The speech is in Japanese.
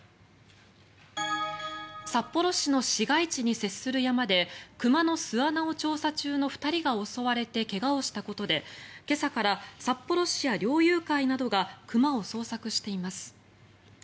札幌市の市街地に接する山で熊の巣穴を調査中の２人が襲われて怪我をしたことで今朝から札幌市や猟友会などが熊を捜索しています。